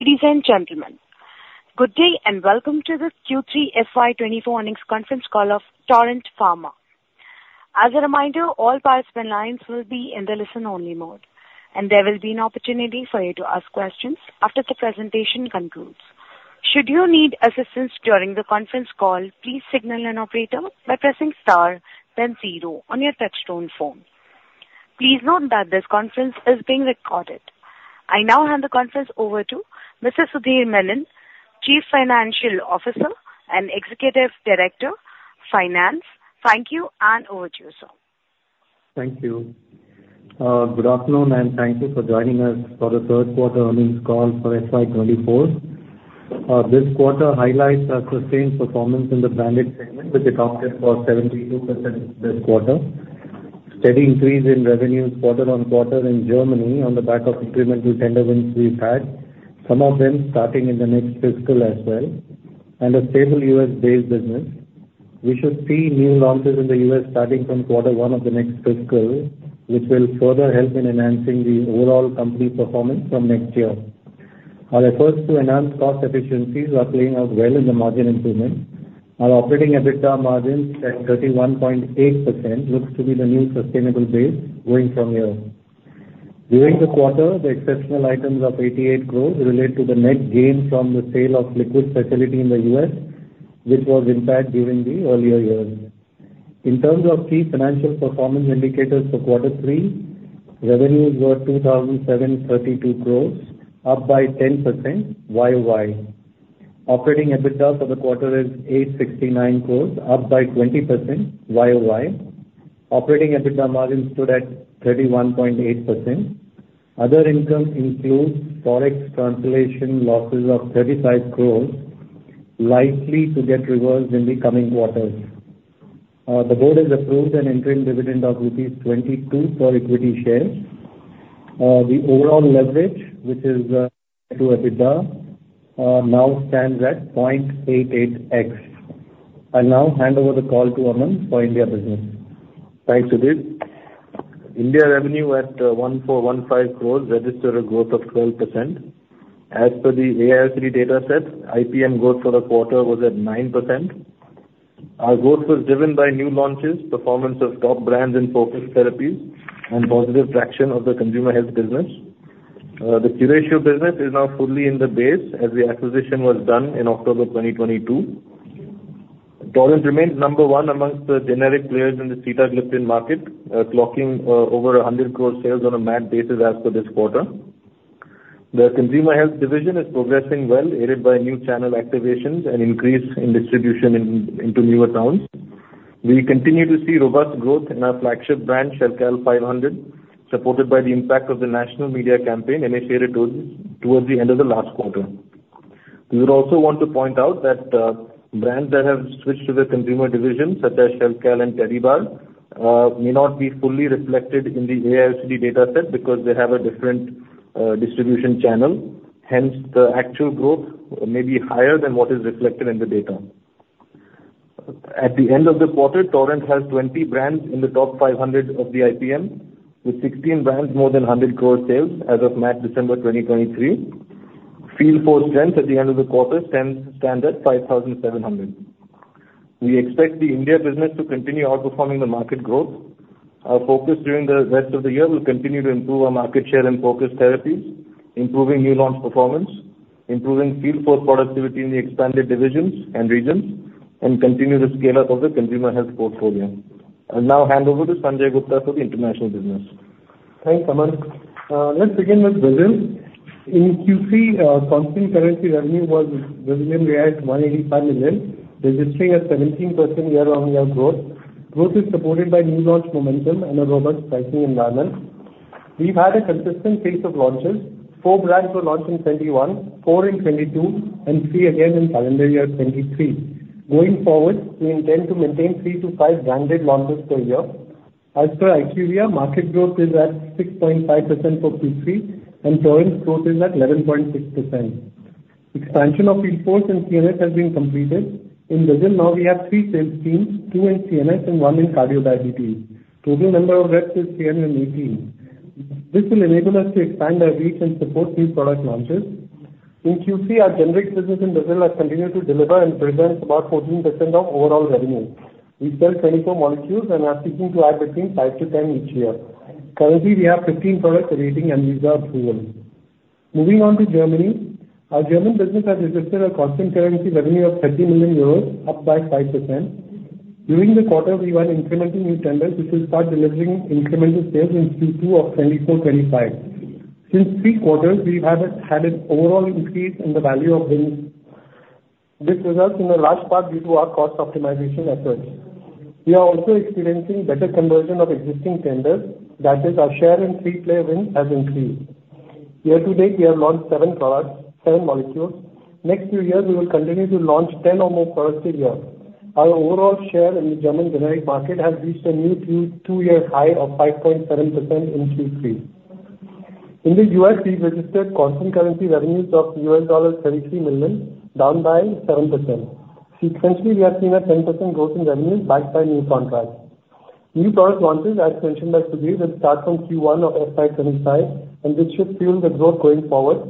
Ladies and gentlemen, good day, and welcome to the Q3 FY 2024 earnings conference call of Torrent Pharma. As a reminder, all participant lines will be in the listen-only mode, and there will be an opportunity for you to ask questions after the presentation concludes. Should you need assistance during the conference call, please signal an operator by pressing star then zero on your touchtone phone. Please note that this conference is being recorded. I now hand the conference over to Mr. Sudhir Menon, Chief Financial Officer and Executive Director, Finance. Thank you, and over to you, sir. Thank you. Good afternoon, and thank you for joining us for the third quarter earnings call for FY 2024. This quarter highlights our sustained performance in the branded segment, which accounted for 72% this quarter. Steady increase in revenues quarter-on-quarter in Germany on the back of incremental tender wins we've had, some of them starting in the next fiscal as well, and a stable U.S.-based business. We should see new launches in the U.S. starting from quarter one of the next fiscal, which will further help in enhancing the overall company performance from next year. Our efforts to enhance cost efficiencies are playing out well in the margin improvement. Our operating EBITDA margins at 31.8% looks to be the new sustainable base going from here. During the quarter, the exceptional items of 88% growth relate to the net gain from the sale of liquid facility in the U.S., which was, in fact, during the earlier year. In terms of key financial performance indicators for quarter three, revenues were 2,732 crore, up by 10% YoY. Operating EBITDA for the quarter is 869 crore, up by 20% YoY. Operating EBITDA margins stood at 31.8%. Other income includes Forex translation losses of 35 crore, likely to get reversed in the coming quarters. The board has approved an interim dividend of INR 22 for equity shares. The overall leverage, which is to EBITDA, now stands at 0.88x. I now hand over the call to Aman for India business. Thanks, Sudhir. India revenue at 1,415 crore registered a growth of 12%. As per the AIOCD dataset, IPM growth for the quarter was at 9%. Our growth was driven by new launches, performance of top brands in focused therapies, and positive traction of the consumer health business. The Curatio business is now fully in the base as the acquisition was done in October 2022. Torrent remained number one amongst the generic players in the Sitagliptin market, clocking over 100 crore sales on a MAT basis as per this quarter. The consumer health division is progressing well, aided by new channel activations and increase in distribution into newer towns. We continue to see robust growth in our flagship brand, Shelcal 500, supported by the impact of the national media campaign, and I shared it towards the end of the last quarter. We would also want to point out that brands that have switched to the consumer division, such as Shelcal and Tedibar, may not be fully reflected in the AIOCD dataset because they have a different distribution channel. Hence, the actual growth may be higher than what is reflected in the data. At the end of the quarter, Torrent has 20 brands in the top 500 of the IPM, with 16 brands more than 100 crore sales as of MAT December 2023. Field force strength at the end of the quarter stands at 5,700. We expect the India business to continue outperforming the market growth. Our focus during the rest of the year will continue to improve our market share and focus therapies, improving new launch performance, improving field force productivity in the expanded divisions and regions, and continue the scale-up of the consumer health portfolio. I'll now hand over to Sanjay Gupta for the international business. Thanks, Aman. Let's begin with Brazil. In Q3, constant currency revenue was 185 million, registering a 17% year-on-year growth. Growth is supported by new launch momentum and a robust pricing environment. We've had a consistent pace of launches. four brands were launched in 2021, four in 2022, and three again in calendar year 2023. Going forward, we intend to maintain three to five branded launches per year. As per IQVIA, market growth is at 6.5% for Q3, and Torrent's growth is at 11.6%. Expansion of field force in CNS has been completed. In Brazil now we have three sales teams, two in CNS and one in cardio diabetes. Total number of reps is 30 and 18. This will enable us to expand our reach and support new product launches. In Q3, our generics business in Brazil has continued to deliver and presents about 14% of overall revenue. We sell 24 molecules and are seeking to add between five to 10 each year. Currently, we have 15 products awaiting ANVISA approval. Moving on to Germany, our German business has registered a constant currency revenue of 30 million euros, up 5%. During the quarter, we won incremental new tenders, which will start delivering incremental sales in Q2 of 2024-2025. Since three quarters, we have had an overall increase in the value of wins. This results in a large part due to our cost optimization efforts. We are also experiencing better conversion of existing tenders, that is, our share in three-player wins has increased. Year to date, we have launched seven products, seven molecules. Next few years, we will continue to launch 10 or more products a year. Our overall share in the German generic market has reached a new two-year high of 5.7% in Q3. In the U.S., we registered constant currency revenues of $33 million, down by 7%. Sequentially, we have seen a 10% growth in revenues backed by new contracts. New product launches, as mentioned by Sudhir, will start from Q1 of FY 2025, and this should fuel the growth going forward.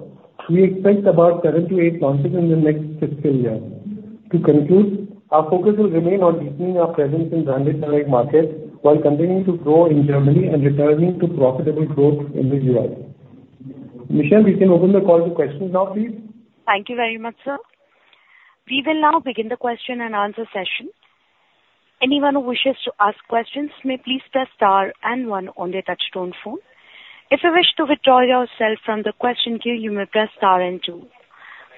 We expect about seven to eight launches in the next fiscal year. To conclude, our focus will remain on deepening our presence in branded select markets, while continuing to grow in Germany and returning to profitable growth in the US. Michelle, we can open the call to questions now, please. Thank you very much, sir. We will now begin the question and answer session. Anyone who wishes to ask questions may please press star and one on their touchtone phone. If you wish to withdraw yourself from the question queue, you may press star and two.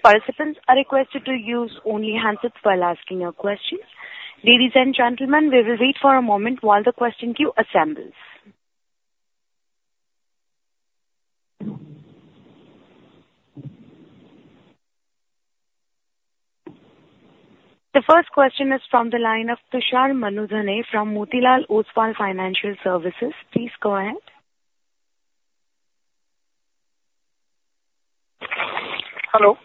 Participants are requested to use only handsets while asking your questions. Ladies and gentlemen, we will wait for a moment while the question queue assembles. The first question is from the line of Tushar Manudhane from Motilal Oswal Financial Services. Please go ahead. Hello?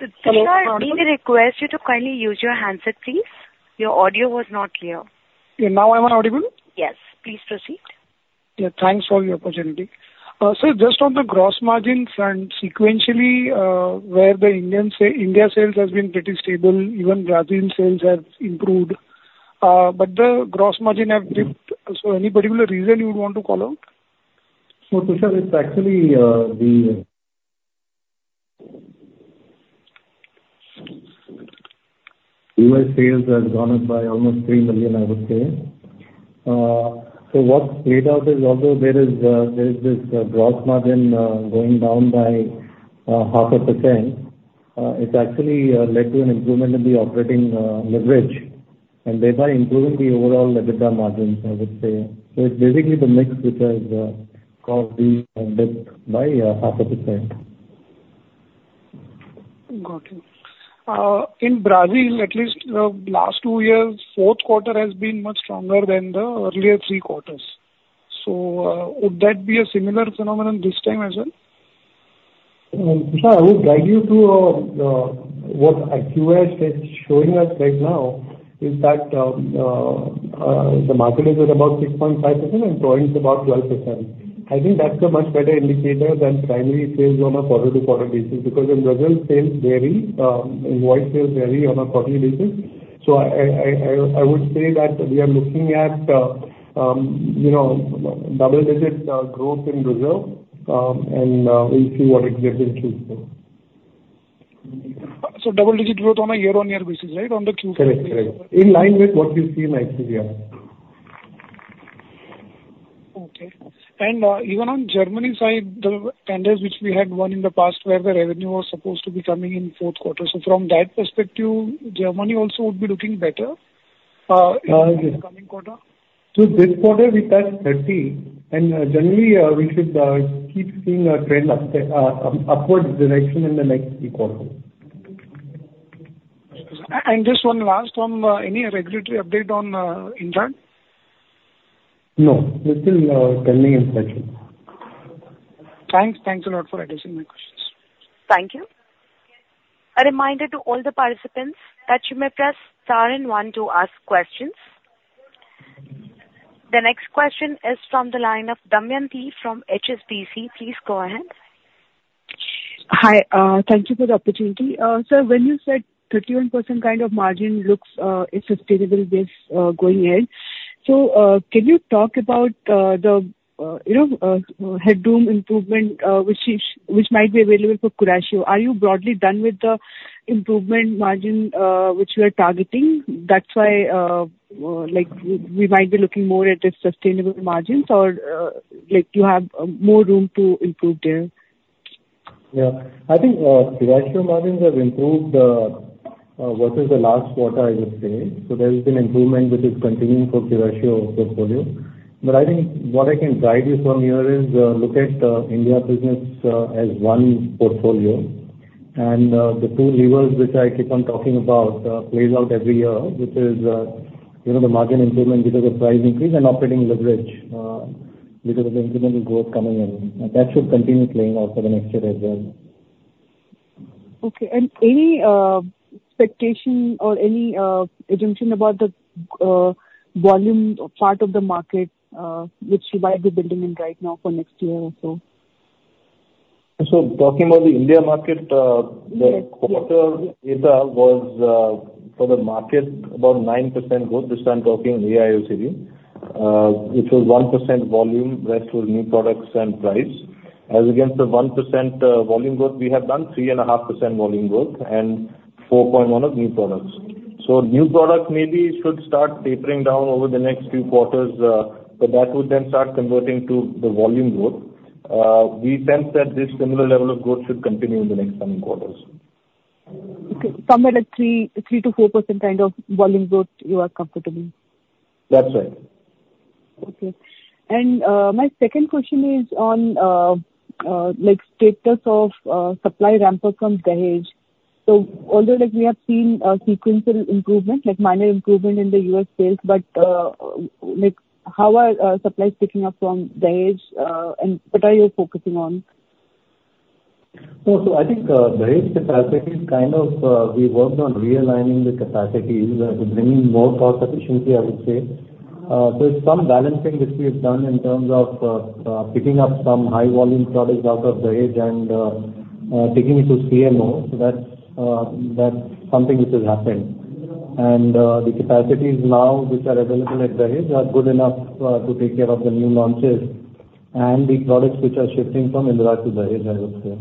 Tushar, may we request you to kindly use your handset, please? Your audio was not clear. Okay, now am I audible? Yes, please proceed. Yeah, thanks for the opportunity. So just on the gross margins and sequentially, where the Indian sa- India sales has been pretty stable, even Brazil sales have improved, but the gross margin have dipped. So any particular reason you would want to call out? So Tushar, it's actually the U.S. sales have gone up by almost $3 million, I would say. So what played out is although there is there is this gross margin going down by [half of percent], it's actually led to an improvement in the operating leverage, and thereby improving the overall EBITDA margins, I would say. So it's basically the mix which has caused the dip by [half of percent]. Got you. In Brazil, at least the last two years, fourth quarter has been much stronger than the earlier three quarters. So, would that be a similar phenomenon this time as well? Tushar, I would guide you to what IQVIA is showing us right now is that the market is at about 6.5% and growing at about 12%. I think that's a much better indicator than primary sales on a quarter-to-quarter basis, because in Brazil, sales vary, and wide sales vary on a quarterly basis. So I would say that we are looking at, you know, double-digit growth in Brazil, and we'll see what it gets into. So double-digit growth on a year-on-year basis, right, on the Q- Correct. Correct. In line with what you see in India. Okay. And, even on Germany side, the tenders which we had won in the past, where the revenue was supposed to be coming in fourth quarter, so from that perspective, Germany also would be looking better, in the coming quarter? So this quarter, we touched 30, and generally, we should keep seeing a trend upwards direction in the next quarter. Just one last one, any regulatory update on Indrad? No, it's still pending inspection. Thanks. Thank you a lot for addressing my questions. Thank you. A reminder to all the participants that you may press star and one to ask questions. The next question is from the line of Damayanti from HSBC. Please go ahead. Hi, thank you for the opportunity. Sir, when you said 31% kind of margin looks a sustainable base going in, so can you talk about the you know headroom improvement which might be available for Curatio? Are you broadly done with the improvement margin which you are targeting? That's why like we we might be looking more at the sustainable margins or like you have more room to improve there. Yeah. I think, Curatio margins have improved, versus the last quarter, I would say. So there has been improvement which is continuing for Curatio portfolio. But I think what I can guide you from here is, look at, India business, as one portfolio. And, the two levers which I keep on talking about, plays out every year, which is, you know, the margin improvement because of price increase and operating leverage, because of the incremental growth coming in. And that should continue playing out for the next year as well. Okay. Any expectation or any assumption about the volume part of the market, which you might be building in right now for next year or so? Talking about the India market. Yes. The quarter data was, for the market, about 9% growth. This time I'm talking AIOCD, which was 1% volume, rest was new products and price. As against the 1%, volume growth, we have done 3.5% volume growth and 4.1% of new products. So new products maybe should start tapering down over the next few quarters, but that would then start converting to the volume growth. We sense that this similar level of growth should continue in the next coming quarters. Okay. Somewhere like 3%-4% kind of volume growth, you are comfortable with? That's right. Okay. My second question is on like status of supply ramp up from Dahej. So although, like, we have seen a sequential improvement, like minor improvement in the U.S. sales, but, like, how are supplies picking up from Dahej, and what are you focusing on? So I think the capacity is kind of we worked on realigning the capacities and bringing more cost efficiency, I would say. So it's some balancing which we have done in terms of picking up some high volume products out of Dahej and taking it to CMO. So that's something which has happened. And the capacities now which are available at Dahej are good enough to take care of the new launches and the products which are shifting from Indrad to Dahej, I would say.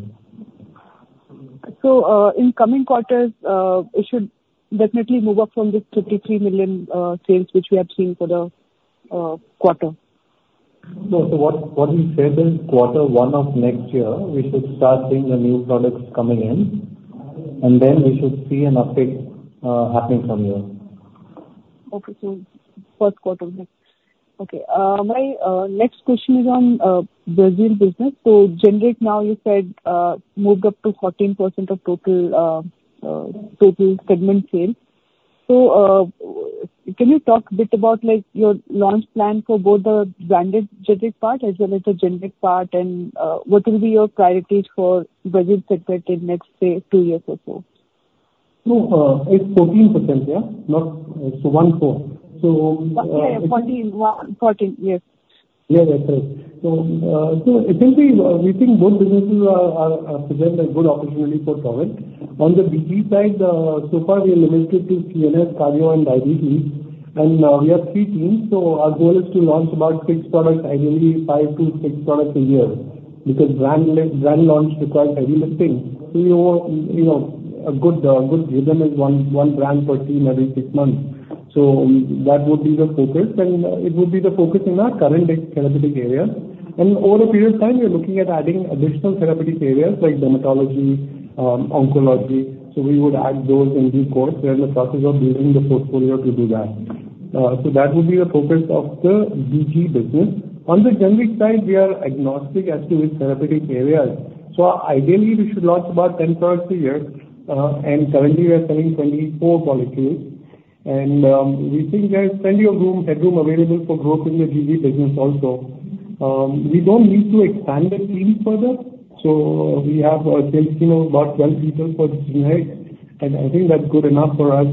So, in coming quarters, it should definitely move up from this 33 million sales, which we are seeing for the quarter? No. So what we said is quarter one of next year, we should start seeing the new products coming in, and then we should see an uptick happening from here. Okay. So 1st quarter next. Okay. My next question is on Brazil business. So generic now you said moved up to 14% of total segment sales. So, can you talk a bit about, like, your launch plan for both the branded generic part as well as the generic part, and what will be your priorities for Brazil segment in next, say, two years or so? No, it's 14%, yeah? Not... So one four. So, Yeah, yeah, 14, 1- 14, yes. Yeah, that's right. So, it will be, we think both businesses are present a good opportunity for growth. On the BG side, so far we are limited to CNS, cardio, and diabetes, and we have three teams, so our goal is to launch about six products, ideally five to six products a year. Because brand launch requires heavy lifting. So, you know, a good rhythm is one brand per team every six months. So that would be the focus, and it would be the focus in our current therapeutic area. And over a period of time, we are looking at adding additional therapeutic areas like dermatology, oncology, so we would add those in due course. We are in the process of building the portfolio to do that. So that would be the focus of the BG business. On the generic side, we are agnostic as to which therapeutic areas, so ideally we should launch about 10 products a year, and currently we are selling 24 molecules. We think there's plenty of room, headroom available for growth in the BG business also. We don't need to expand the team further, so we have, you know, about 12 people for generic, and I think that's good enough for us,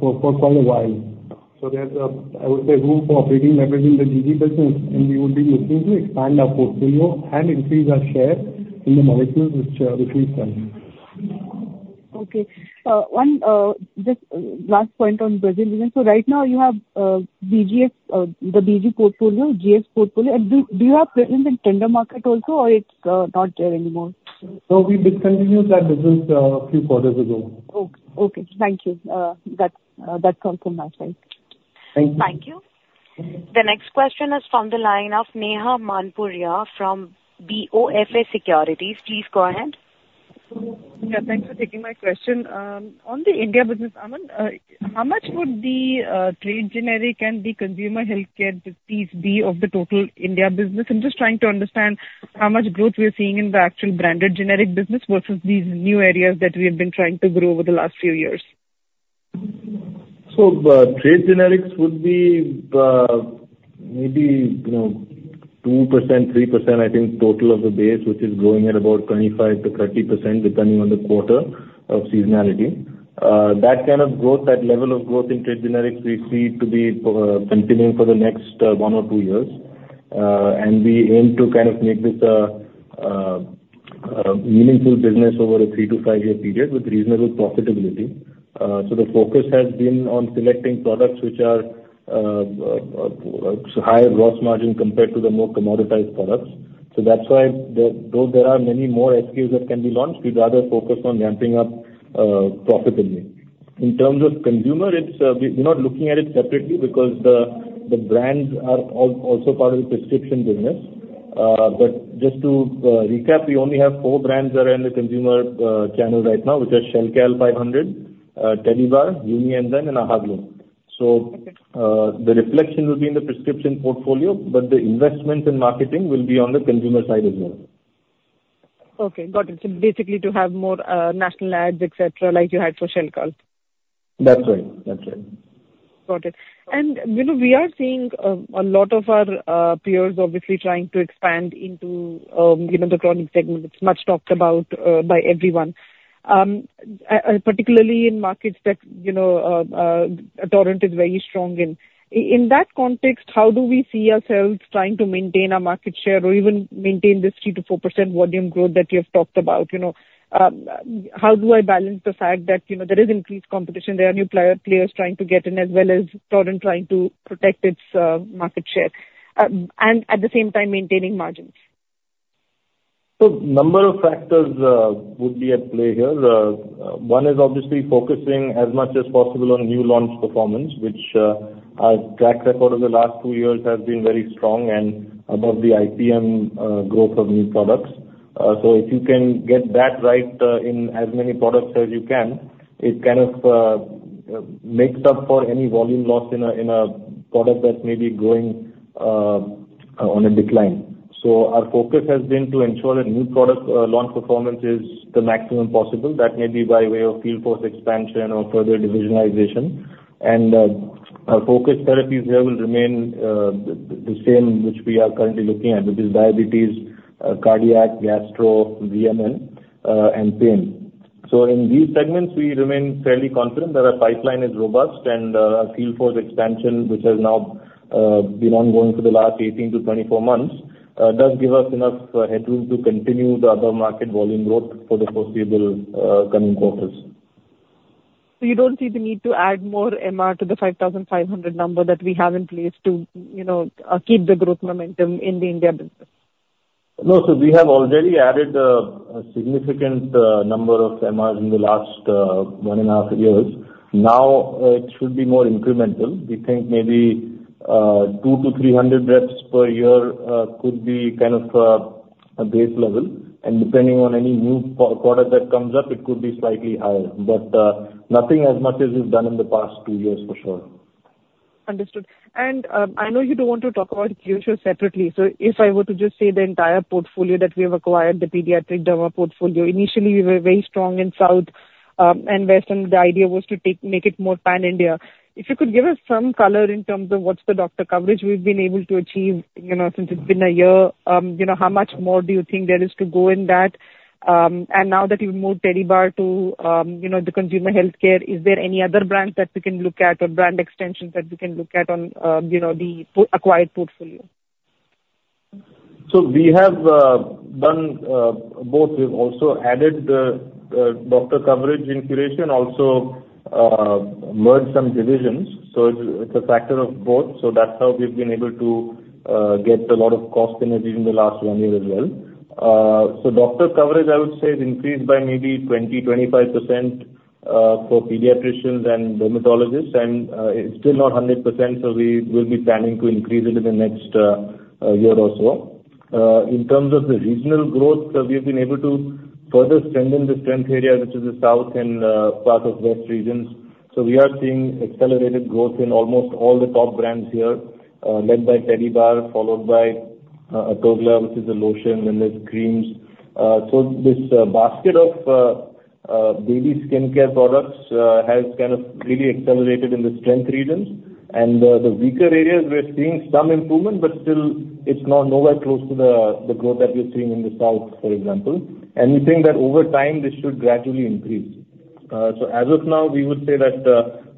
for quite a while. So there's a, I would say, room for operating leverage in the BG business, and we would be looking to expand our portfolio and increase our share in the molecules which, which we sell. Okay. One, just last point on Brazil business. So right now you have BGs, the BG portfolio, GI portfolio. And do you have presence in tender market also, or it's not there anymore? No, we discontinued that business, a few quarters ago. Okay, thank you. That's all from my side. Thank you. Thank you. The next question is from the line of Neha Manpuria from BofA Securities. Please go ahead. Yeah, thanks for taking my question. On the India business, Aman, how much would the trade generic and the consumer healthcare business be of the total India business? I'm just trying to understand how much growth we are seeing in the actual branded generic business versus these new areas that we have been trying to grow over the last few years. So, trade generics would be, maybe, you know, 2%, 3%, I think, total of the base, which is growing at about 25%-30%, depending on the quarter of seasonality. That kind of growth, that level of growth in trade generics, we see to be continuing for the next one or two years. And we aim to kind of make this a meaningful business over a three to five year period with reasonable profitability. So the focus has been on selecting products which are higher gross margin compared to the more commoditized products. So that's why though there are many more SKUs that can be launched, we'd rather focus on ramping up profitably. In terms of consumer, it's we're not looking at it separately because the brands are also part of the prescription business. But just to recap, we only have four brands that are in the consumer channel right now, which are Shelcal 500, Tedibar, Unienzyme and Ahaglow. Okay. So, the reflection will be in the prescription portfolio, but the investment in marketing will be on the consumer side as well. Okay, got it. So basically to have more, national ads, et cetera, like you had for Shelcal? That's right. That's right. Got it. You know, we are seeing a lot of our peers obviously trying to expand into you know, the chronic segment. It's much talked about by everyone. Particularly in markets that you know, Torrent is very strong in. In that context, how do we see ourselves trying to maintain our market share or even maintain this 3%-4% volume growth that you have talked about? You know, how do I balance the fact that you know, there is increased competition, there are new players trying to get in, as well as Torrent trying to protect its market share and at the same time maintaining margins? So a number of factors would be at play here. One is obviously focusing as much as possible on new launch performance, which our track record over the last two years has been very strong and above the IPM growth of new products. So if you can get that right in as many products as you can, it kind of makes up for any volume loss in a product that may be going on a decline. So our focus has been to ensure that new product launch performance is the maximum possible. That may be by way of field force expansion or further divisionalization. And Our focus therapies here will remain the same which we are currently looking at, which is diabetes, cardiac, gastro, VMN, and pain. So in these segments, we remain fairly confident that our pipeline is robust, and our field force expansion, which has now been ongoing for the last 18-24 months, does give us enough headroom to continue the other market volume growth for the foreseeable coming quarters. You don't see the need to add more MR to the 5,500 number that we have in place to, you know, keep the growth momentum in the India business? No, so we have already added a significant number of MRs in the last one and a half years. Now, it should be more incremental. We think maybe 200-300 reps per year could be kind of a base level, and depending on any new product that comes up, it could be slightly higher. But nothing as much as we've done in the past two years, for sure. Understood. And, I know you don't want to talk about Curatio separately, so if I were to just say the entire portfolio that we have acquired, the pediatric derma portfolio, initially we were very strong in South and Western. The idea was to take, make it more pan-India. If you could give us some color in terms of what's the doctor coverage we've been able to achieve, you know, since it's been a year. You know, how much more do you think there is to go in that? And now that you've moved Tedibar to, you know, the consumer healthcare, is there any other brands that we can look at or brand extensions that we can look at on, you know, the post-acquired portfolio? So we have done both. We've also added the doctor coverage in Curatio and also merged some divisions, so it's a factor of both. So that's how we've been able to get a lot of cost synergy in the last one year as well. So doctor coverage, I would say, has increased by maybe 20%-25% for pediatricians and dermatologists, and it's still not 100%, so we will be planning to increase it in the next year or so. In terms of the regional growth, we have been able to further strengthen the strength area, which is the South and part of West regions. So we are seeing accelerated growth in almost all the top brands here, led by Tedibar, followed by Atogla, which is a lotion, and there's creams. So this basket of baby skincare products has kind of really accelerated in the strength regions. And the weaker areas we're seeing some improvement, but still it's not nowhere close to the growth that we're seeing in the South, for example. And we think that over time, this should gradually increase. So as of now, we would say that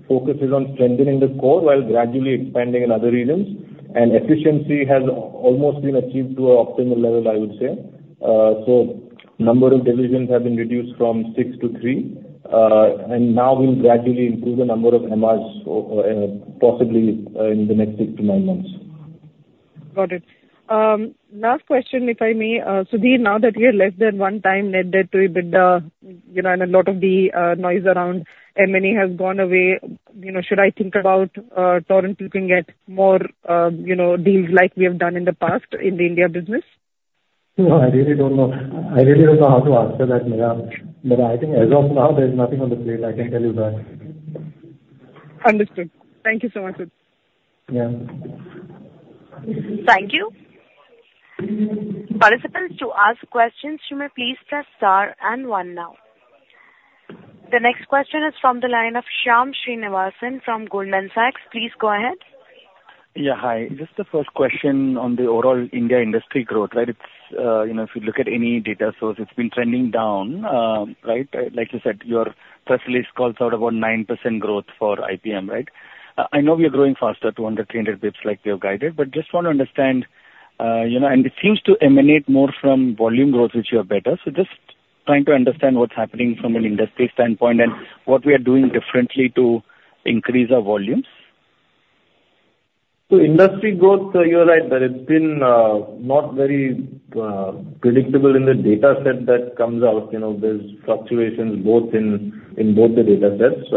focus is on strengthening the core while gradually expanding in other regions, and efficiency has almost been achieved to an optimal level, I would say. So number of divisions have been reduced from six to three, and now we'll gradually increase the number of MRs possibly in the next six to nine months. Got it. Last question, if I may. Sudhir, now that you're less than one time net debt to EBITDA, you know, and a lot of the noise around M&A has gone away, you know, should I think about Torrent looking at more, you know, deals like we have done in the past in the India business? No, I really don't know. I really don't know how to answer that, Neha. But I think as of now, there's nothing on the plate, I can tell you that. Understood. Thank you so much, Sudhir. Yeah. Thank you. Participants, to ask questions, you may please press star and one now. The next question is from the line of Shyam Srinivasan from Goldman Sachs. Please go ahead. Yeah, hi. Just the first question on the overall India industry growth, right? It's, you know, if you look at any data source, it's been trending down, right? Like you said, your first list calls out about 9% growth for IPM, right? I know we are growing faster, 200-300 bps like we have guided, but just want to understand, you know, and it seems to emanate more from volume growth, which you are better. So just trying to understand what's happening from an industry standpoint, and what we are doing differently to increase our volumes. So industry growth, you are right, that it's been not very predictable in the data set that comes out. You know, there's fluctuations both in both the data sets.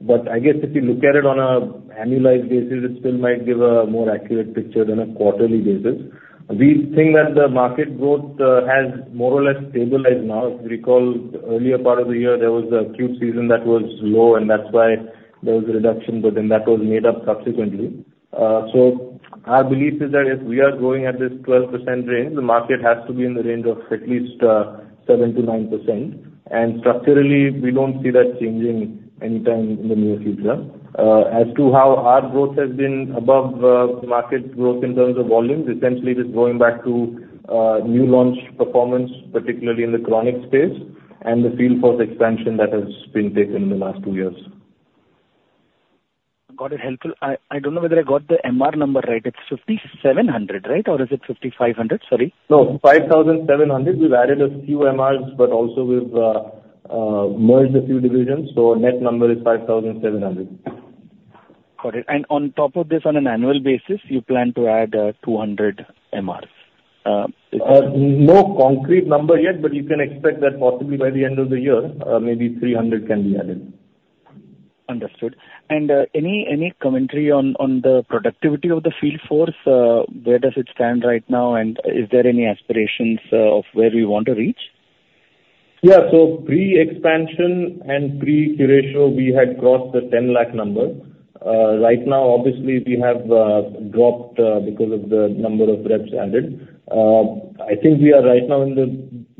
But I guess if you look at it on an annualized basis, it still might give a more accurate picture than a quarterly basis. We think that the market growth has more or less stabilized now. If you recall, the earlier part of the year, there was an acute season that was low, and that's why there was a reduction, but then that was made up subsequently. So our belief is that if we are growing at this 12% range, the market has to be in the range of at least 7%-9%, and structurally, we don't see that changing anytime in the near future. As to how our growth has been above market growth in terms of volumes, essentially, it's going back to new launch performance, particularly in the chronic space, and the field force expansion that has been taken in the last two years. Got it. Helpful. I don't know whether I got the MR number right. It's 5,700 right? Or is it 5,500? Sorry. No, 5,700. We've added a few MRs, but also we've merged a few divisions, so net number is 5,700. Got it. And on top of this, on an annual basis, you plan to add 200 MRs? No concrete number yet, but you can expect that possibly by the end of the year, maybe 300 can be added. Understood. And, any commentary on the productivity of the field force? Where does it stand right now, and is there any aspirations of where we want to reach? Yeah. So pre-expansion and pre-Curatio, we had crossed the 10 lakh number. Right now, obviously, we have dropped because of the number of reps added. I think we are right now in the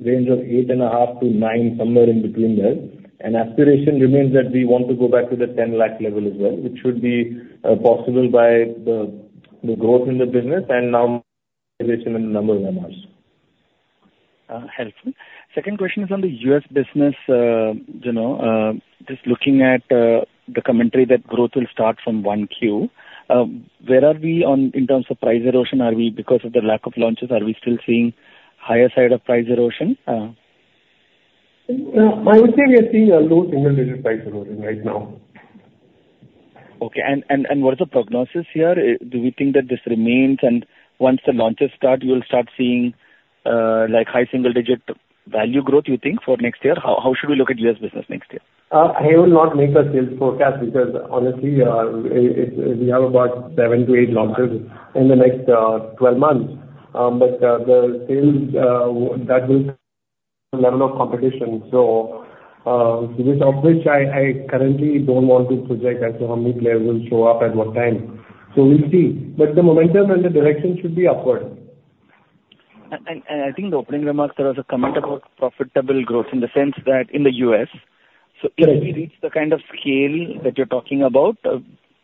range of 8.5 to nine, somewhere in between there. And aspiration remains that we want to go back to the 10 lakh level as well, which should be possible by the growth in the business and now m- ...in the number of MRs. Helpful. Second question is on the U.S. business. You know, just looking at the commentary that growth will start from 1Q. Where are we on in terms of price erosion? Are we, because of the lack of launches, still seeing higher side of price erosion? I would say we are seeing a low single-digit price erosion right now. Okay. And what is the prognosis here? Do we think that this remains, and once the launches start, you will start seeing, like, high single-digit value growth, you think, for next year? How should we look at U.S. business next year? I will not make a sales forecast because honestly, we have about seven to eight launches in the next 12 months. But the sales that will level of competition. So, of which I currently don't want to project as to how many players will show up at what time, so we'll see. But the momentum and the direction should be upward. I think the opening remarks, there was a comment about profitable growth in the sense that in the U.S. Right. So can we reach the kind of scale that you're talking about?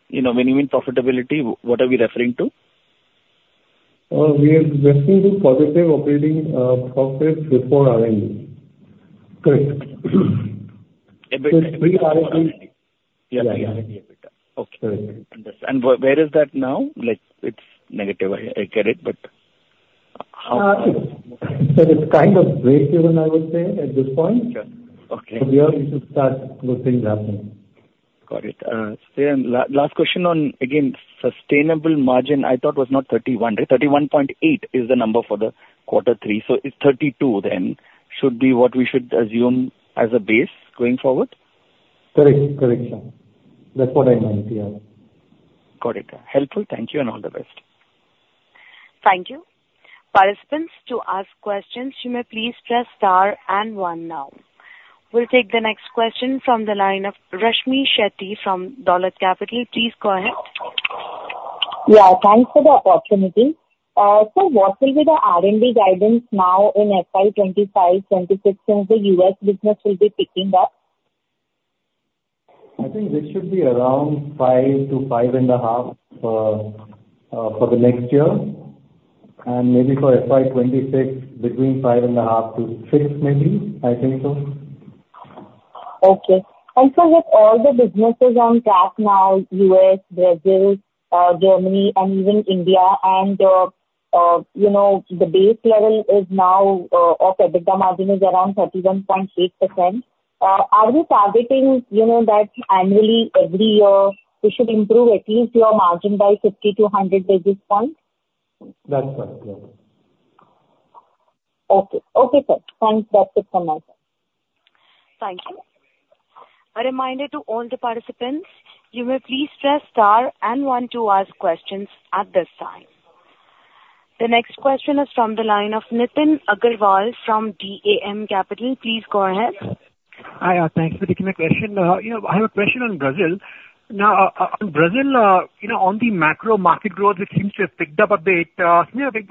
You know, when you mean profitability, what are we referring to? We are referring to positive operating profits before R&D. great. Yeah. Yeah. Okay. Correct. Understood. And where is that now? Like, it's negative, I get it, but how? So it's kind of breakeven I would say, at this point. Sure. Okay. From here, we should start looking up. Got it. So then last question on, again, sustainable margin I thought was not 31. 31.8 is the number for quarter three, so it's 32 then should be what we should assume as a base going forward? Correct. Correct, sir. That's what I meant, yeah. Got it. Helpful. Thank you, and all the best. Thank you. Participants, to ask questions, you may please press star and one now. We'll take the next question from the line of Rashmmi Shetty from Dolat Capital. Please go ahead. Yeah, thanks for the opportunity. So what will be the R&D guidance now in FY 2025, 2026, since the U.S. business will be picking up? I think this should be around five to 5.5 for the next year, and maybe for FY 2026, between 5.5 to six, maybe. I think so. Okay. So with all the businesses on track now, U.S., Brazil, Germany, and even India, and, you know, the base level is now, of EBITDA margin is around 31.8%. Are you targeting, you know, that annually, every year we should improve at least your margin by 50-100 basis points? That's right. Yeah. Okay. Okay, sir. Thanks. That's it from my side. Thank you. A reminder to all the participants, you may please press star and one to ask questions at this time. The next question is from the line of Nitin Agarwal from DAM Capital. Please go ahead. Hi, thanks for taking my question. You know, I have a question on Brazil. Now, on Brazil, you know, on the macro market growth, it seems to have picked up a bit, so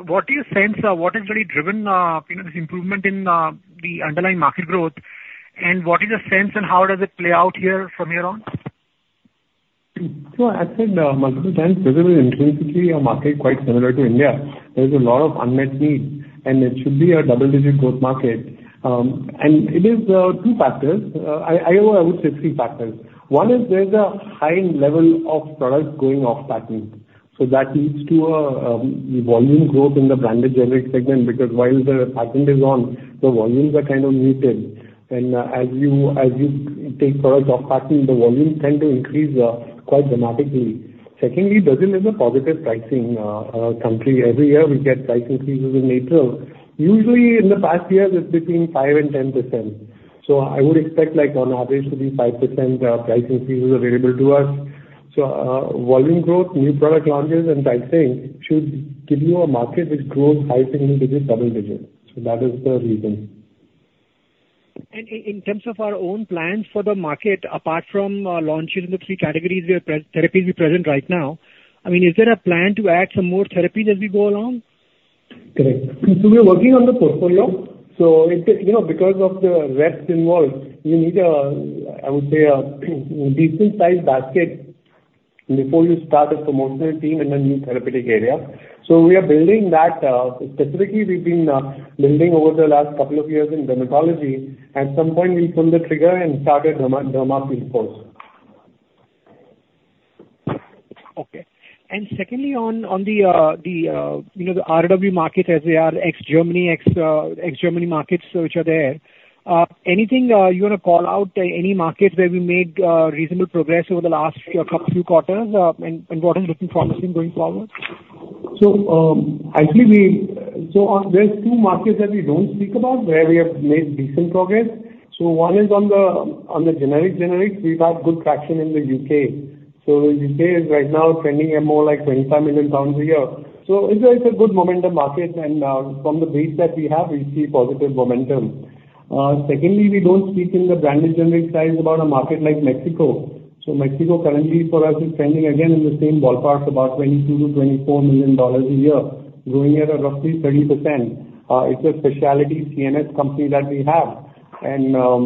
what is your sense, or what has really driven, you know, this improvement in the underlying market growth? And what is your sense, and how does it play out here from here on? So I've said multiple times, Brazil is intrinsically a market quite similar to India. There is a lot of unmet needs, and it should be a double-digit growth market. And it is two factors. I would say three factors. One is there's a high level of products going off patent, so that leads to a volume growth in the branded generic segment, because while the patent is on, the volumes are kind of muted. And as you take products off patent, the volumes tend to increase quite dramatically. Secondly, Brazil is a positive pricing country. Every year we get price increases in April. Usually, in the past years, it's between 5% and 10%, so I would expect, like, on average, to be 5% price increases available to us. So, volume growth, new product launches, and pricing should give you a market which grows high single-digit, double-digit, so that is the reason. In terms of our own plans for the market, apart from launches in the three categories where therapies we present right now, I mean, is there a plan to add some more therapies as we go along? Correct. So we are working on the portfolio. So it, you know, because of the risk involved, you need a, I would say, a decent-sized basket before you start a promotional team in a new therapeutic area. So we are building that. Specifically, we've been building over the last couple of years in dermatology. At some point, we'll pull the trigger and start a derma force. Okay. And secondly, on the, you know, the RoW market as they are ex-Germany, ex-Germany markets which are there, anything you want to call out, any markets where we made reasonable progress over the last couple, few quarters? And what is looking promising going forward? So, actually, there's two markets that we don't speak about, where we have made decent progress. So one is on the, on the generic, generic, we've had good traction in the U.K. So the U.K. is right now trending at more like 25 million pounds a year. So it's a, it's a good momentum market, and, from the base that we have, we see positive momentum. Secondly, we don't speak in the branded generic side about a market like Mexico. So Mexico currently for us is trending again in the same ballpark, about $22 million-$24 million a year, growing at roughly 30%. It's a specialty CNS company that we have. You know,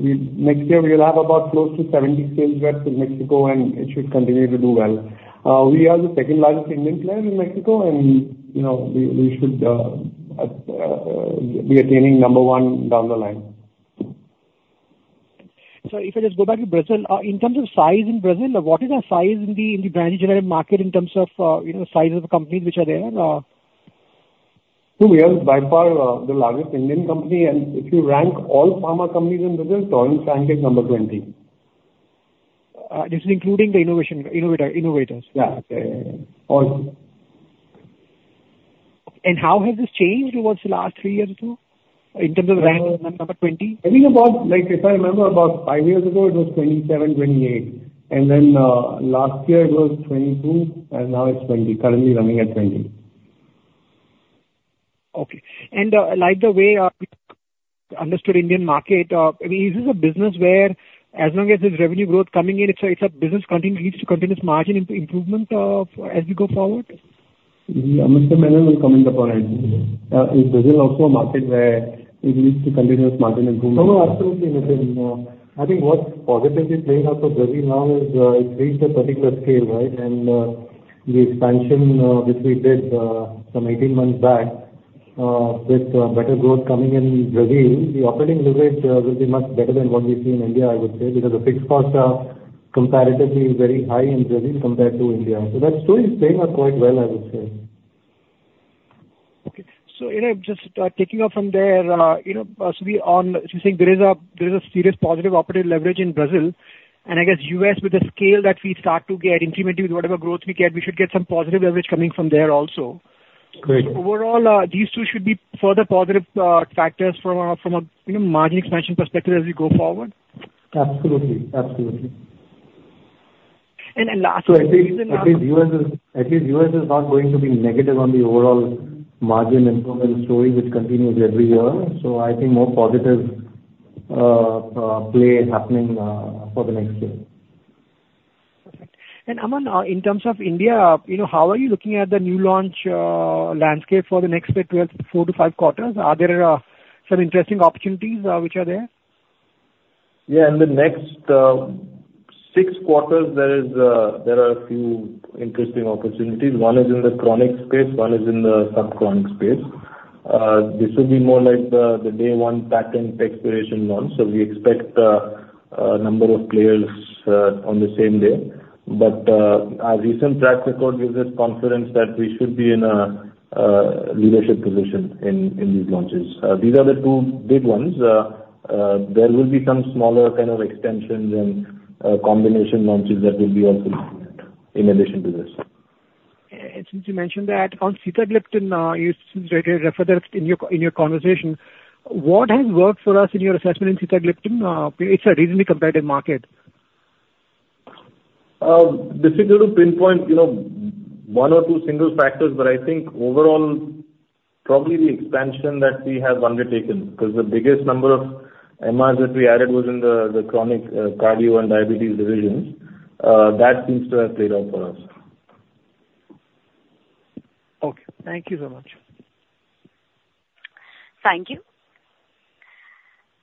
next year we'll have about close to 70 sales reps in Mexico, and it should continue to do well. We are the second largest Indian player in Mexico, and, you know, we should be attaining number one down the line. So if I just go back to Brazil, in terms of size in Brazil, what is our size in the, in the branded generics market in terms of, you know, size of the companies which are there? So we are by far, the largest Indian company, and if you rank all pharma companies in Brazil, Torrent is number 20. This is including the innovation, innovator, innovators? Yeah, all. How has this changed over the last three years or two, in terms of rank, number 20? I think about, like, if I remember, about five years ago, it was 27, 28, and then last year it was 22, and now it's 20. Currently running at 20. Okay. And, like the way understood Indian market, I mean, is this a business where as long as there's revenue growth coming in, it's a, it's a business continuing to continuous margin improvement, as we go forward? Mr. Menon will comment upon it. Is Brazil also a market where it leads to continuous margin improvement? No, no, absolutely, Nitin. I think what positively playing out for Brazil now is, it's reached a particular scale, right? And the expansion, which we did some 18 months back, with better growth coming in Brazil, the operating leverage will be much better than what we see in India, I would say. Because the fixed costs are comparatively very high in Brazil compared to India. So that story is playing out quite well, I would say. Okay. So, you know, just taking off from there, you know, so you're saying there is a, there is a serious positive operating leverage in Brazil, and I guess U.S. with the scale that we start to get incrementally with whatever growth we get, we should get some positive leverage coming from there also. Great. Overall, these two should be further positive factors from a, you know, margin expansion perspective as we go forward? Absolutely. Absolutely. And then, lastly- So I think, I think U.S. is, at least U.S. is not going to be negative on the overall margin improvement story, which continues every year. So I think more positive play is happening for the next year. Perfect. Aman, in terms of India, you know, how are you looking at the new launch landscape for the next, say, 12, four to five quarters? Are there some interesting opportunities which are there? Yeah, in the next six quarters, there is there are a few interesting opportunities. One is in the chronic space, one is in the subchronic space. This will be more like the day one patent expiration launch, so we expect a number of players on the same day. But our recent track record gives us confidence that we should be in a leadership position in these launches. These are the two big ones. There will be some smaller kind of extensions and combination launches that will be also in addition to this. Since you mentioned that, on Sitagliptin, you seemed to refer that in your, in your conversation, what has worked for us in your assessment in Sitagliptin? It's a reasonably competitive market. Difficult to pinpoint, you know, one or two single factors, but I think overall, probably the expansion that we have undertaken. 'Cause the biggest number of MRs that we added was in the chronic, cardio and diabetes divisions. That seems to have played out for us. Okay. Thank you so much. Thank you.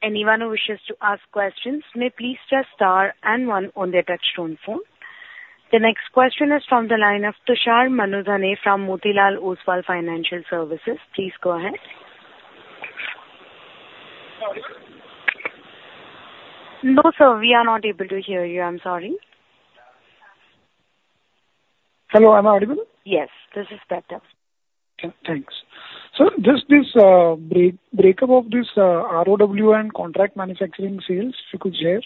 Anyone who wishes to ask questions may please press star and one on their touchtone phone. The next question is from the line of Tushar Manudhane from Motilal Oswal Financial Services. Please go ahead. No, sir, we are not able to hear you. I'm sorry. Hello, am I audible? Yes, this is better. Okay, thanks. So just this breakup of this RoW and contract manufacturing sales, if you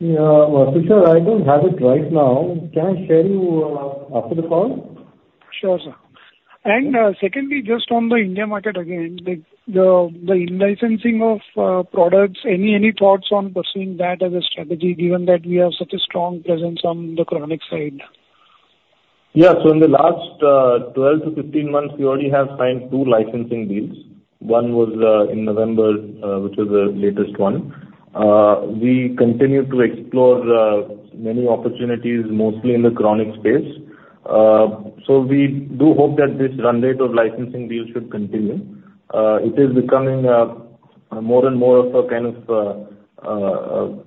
could share? Yeah, Tushar, I don't have it right now. Can I share you after the call? Sure, sir. And, secondly, just on the India market again, like the in-licensing of products, any thoughts on pursuing that as a strategy, given that we have such a strong presence on the chronic side? Yeah. So in the last 12-15 months, we already have signed two licensing deals. One was in November, which is the latest one. We continue to explore many opportunities, mostly in the chronic space. So we do hope that this run rate of licensing deals should continue. It is becoming more and more of a kind of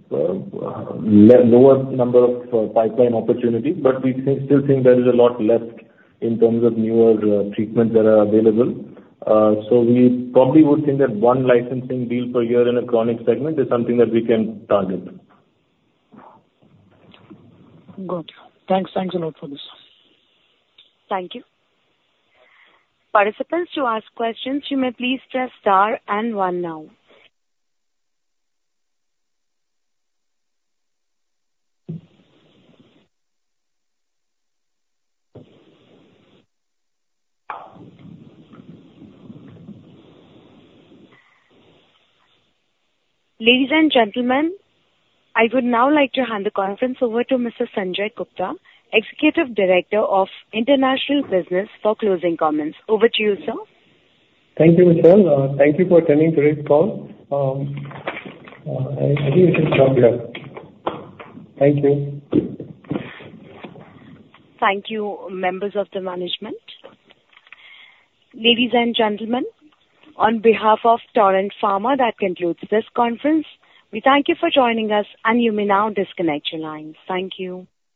lower number of pipeline opportunities, but we still think there is a lot left in terms of newer treatments that are available. So we probably would think that one licensing deal per year in a chronic segment is something that we can target. Good. Thanks. Thanks a lot for this. Thank you. Participants, to ask questions, you may please press star and one now. Ladies and gentlemen, I would now like to hand the conference over to Mr. Sanjay Gupta, Executive Director, International Business, for closing comments. Over to you, sir. Thank you, Michelle. Thank you for attending today's call. I think we can stop here. Thank you. Thank you, members of the management. Ladies and gentlemen, on behalf of Torrent Pharma, that concludes this conference. We thank you for joining us, and you may now disconnect your lines. Thank you.